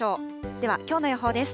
では、きょうの予報です。